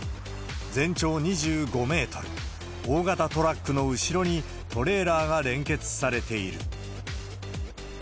全長２５メートル、大型トラックの後ろにトレーラーが連結されている。